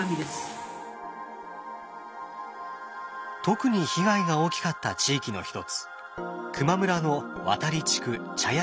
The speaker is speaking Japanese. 特に被害が大きかった地域の一つ球磨村の渡地区茶屋集落。